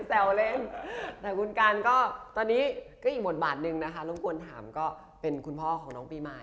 ไม่แซวเล่นแต่คุณการก็ตอนนี้ก็อีกหมดบาทหนึ่งนะคะรวมควรถามก็เป็นคุณพ่อของน้องปีมาย